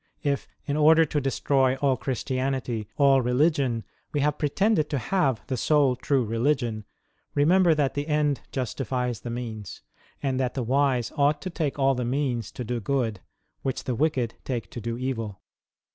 If, in order to destroy all Christianity, all religion, we have pretended to have the sole true religion, remember that the end justifies the means, and that the wise ought to take all the means to do good, which the wicked take to do evil.